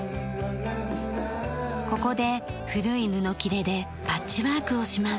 ここで古い布きれでパッチワークをします。